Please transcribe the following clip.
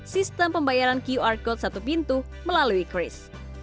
sistem pembayaran qr code satu pintu melalui kris